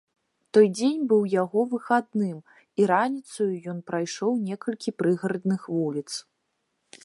Той дзень быў яго выхадным, і раніцаю ён прайшоў некалькі прыгарадных вуліц.